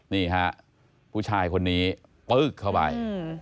นี่ฮะผู้ชายคนนี้ปึ๊กเข้าไป